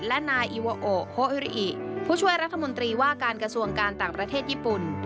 และนายอิวาโอโฮอิริอิผู้ช่วยรัฐมนตรีว่าการกระทรวงการต่างประเทศญี่ปุ่น